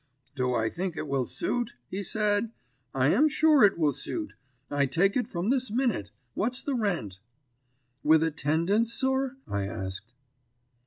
"'Do I think it will suit?' he said. 'I am sure it will suit. I take it from this minute. What's the rent?' "'With attendance, sir?' I asked.